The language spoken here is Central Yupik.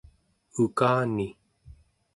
ukani